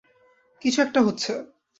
কিছু একটা হচ্ছে।